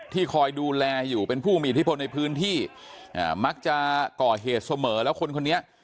คอยดูแลอยู่เป็นผู้มีอิทธิพลในพื้นที่มักจะก่อเหตุเสมอแล้วคนคนนี้